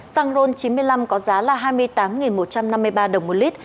xăng ron chín mươi năm có giá là hai mươi tám một trăm năm mươi ba đồng một lít